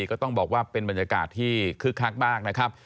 ก็ต้องบอกว่าเป็นบรรยากาศที่คึกคักมากนะครับ